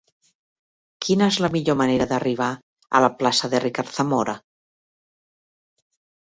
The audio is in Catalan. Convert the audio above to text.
Quina és la millor manera d'arribar a la plaça de Ricard Zamora?